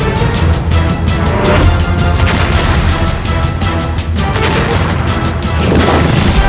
hari ini suara kita